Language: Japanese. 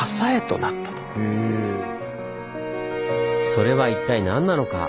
それは一体何なのか？